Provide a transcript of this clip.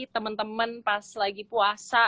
teman teman pas lagi puasa